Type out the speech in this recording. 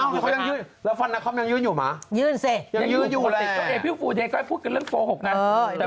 พี่จิ๊กเนาารัสก็ไม่เกิดตายแล้วเดี๋ยวนี่นางฟันก็สวย